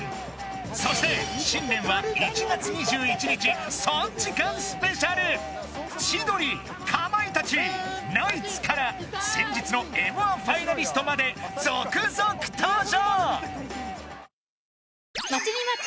そして新年は１月２１日３時間ＳＰ千鳥かまいたちナイツから先日のＭ−１ファイナリストまで続々登場！